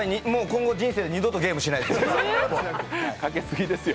今後、人生で二度とゲームをしないです。